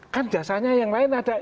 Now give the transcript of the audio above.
kan jasanya yang lain ada